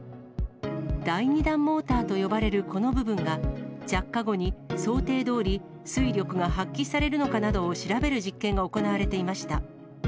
第２段モーターと呼ばれるこの部分が、着火後に想定どおり推力が発揮されるのかなどを調べる実験が行われていました。